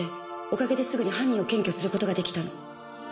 おかげですぐに犯人を検挙することができたの。